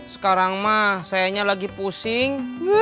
sekarang mah sayanya lagi pusing